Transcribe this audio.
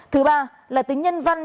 thứ ba là tính nhân văn